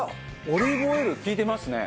オリーブオイル利いてますね。